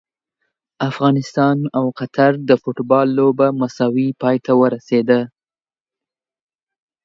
افغانستان او قطر د فوټبال لوبه مساوي پای ته ورسیده!